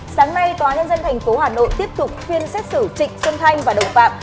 sáng nay tòa nhân dân tp hà nội tiếp tục phiên xét xử trịnh xuân thanh và đồng phạm